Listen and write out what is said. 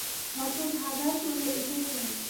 হতভাগা চলে এসেছে।